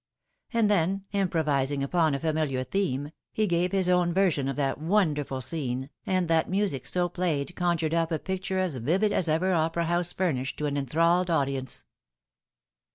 And then, improvising upon a familiar theme, he gave his own version of that wonderful scene, and that music so played conjured up a picture as vivid as ever opera house furnished to an enthralled audience.